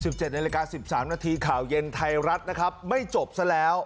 เจ็ดนาฬิกาสิบสามนาทีข่าวเย็นไทยรัฐนะครับไม่จบซะแล้ว